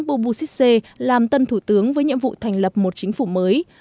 boubou sisse làm tân thủ tướng với nhiệm vụ thành lập một chính phủ mới